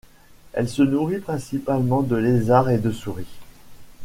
Elle se nourrit principalement de lézards et de souris.